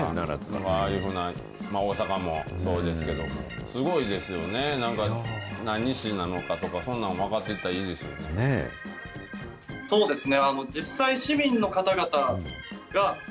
ああいうふうな大阪もそうですけども、すごいですよね、なんか、何氏なのかとか、そんなんも分かっていったらいいですよね。